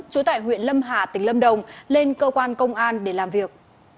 chú tài huyện lâm hà tỉnh lâm đồng lên cơ quan công an để làm việc